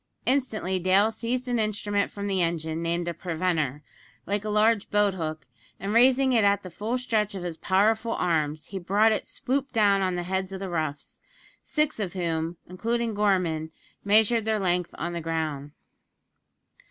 Instantly Dale seized an instrument from the engine, named a "preventer," like a large boat hook, and, raising it at the full stretch of his powerful arms, he brought it swoop down on the heads of the roughs six of whom, including Gorman, measured their length on the ground.